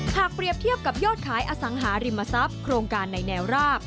เปรียบเทียบกับยอดขายอสังหาริมทรัพย์โครงการในแนวราบ